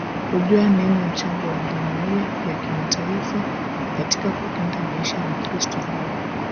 kujua nini mchango wa jumuiya ya kimataifa katika kulinda maisha ya wakristo hao